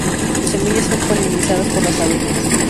Sus semillas son polinizadas por las abejas.